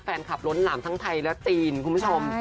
แฟนคลับล้นหลามทั้งไทยและจีนคุณผู้ชม